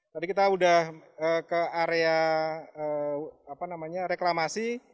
tadi kita sudah ke area reklamasi